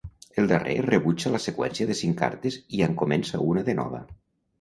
El darrer rebutja la seqüència de cinc cartes i en comença una de nova.